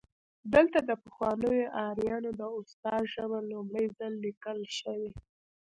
دلته د پخوانیو آرینو د اوستا ژبه لومړی ځل لیکل شوې